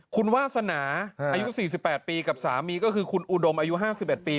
คุณวาสนาอายุ๔๘ปีกับสามีก็คือคุณอุดมอายุ๕๑ปี